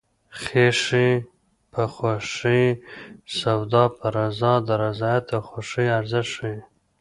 خیښي په خوښي سودا په رضا د رضایت او خوښۍ ارزښت ښيي